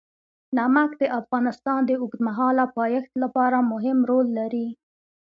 نمک د افغانستان د اوږدمهاله پایښت لپاره مهم رول لري.